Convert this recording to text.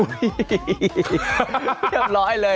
เยี่ยมร้อยเลย